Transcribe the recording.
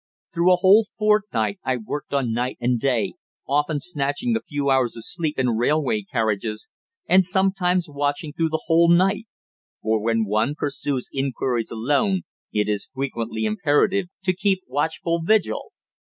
Through a whole fortnight I worked on night and day, often snatching a few hours of sleep in railway carriages, and sometimes watching through the whole night for when one pursues inquiries alone it is frequently imperative to keep watchful vigil.